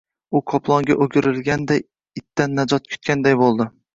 U Qoplonga o‘girilganday, itdan najot kutganday bo‘ldi